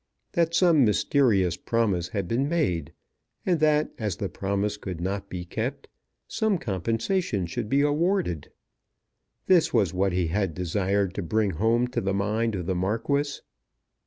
That some mysterious promise had been made, and that, as the promise could not be kept, some compensation should be awarded, this was what he had desired to bring home to the mind of the Marquis.